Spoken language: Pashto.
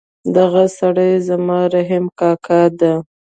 دغه سړی زما رحیم کاکا ده